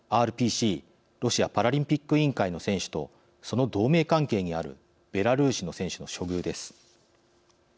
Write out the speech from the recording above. ＲＰＣ＝ロシアパラリンピック委員会の選手と、その同盟関係にあるベラルーシの選手の処遇です。